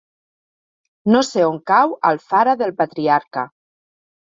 No sé on cau Alfara del Patriarca.